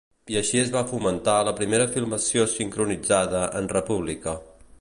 I així es va fonamentar la primera filmació sincronitzada en república.